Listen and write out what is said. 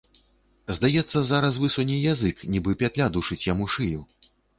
Здаецца, зараз высуне язык, нібы пятля душыць яму шыю.